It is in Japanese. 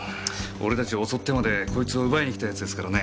俺たちを襲ってまでこいつを奪いに来た奴ですからね。